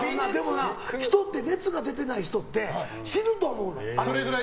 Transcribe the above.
でも、熱が出てない人って死ぬと思うのよ。